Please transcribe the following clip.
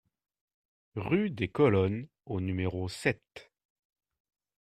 Rue des Colonnes au numéro sept